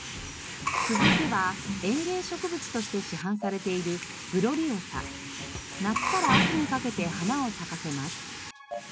続いては園芸植物として市販されている夏から秋にかけて花を咲かせます。